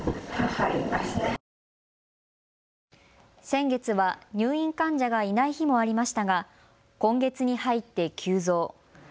先月は入院患者がいない日もありましたが今月に入って急増。